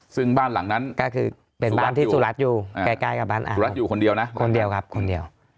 ซึ่งบ้านหลังนั้นก็คือเป็นบ้านที่สุรัตน์อยู่ใกล้ใกล้กับบ้านอาสุรัตน์อยู่คนเดียวนะคนเดียวครับคนเดียว